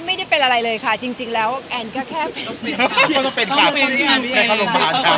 ไม่ได้เป็นอะไรเลยค่ะจริงแล้วแอนก็แค่เข้าโรงพยาบาล